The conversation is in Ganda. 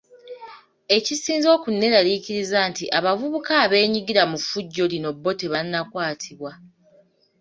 Ekisinze okunneeraliikiriza nti abavubuka abeenyigira mu ffujjo lino bo tebannakwatibwa.